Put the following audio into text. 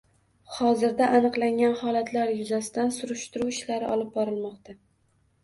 Hozirda aniqlangan holatlar yuzasidan surishtiruv ishlari olib borilmoqda